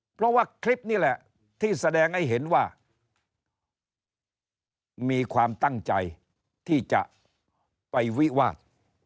เพราะว่าคลิปนี้แหละที่แสดงให้เห็นว่ามีความตั้งใจที่จะไปวิวาส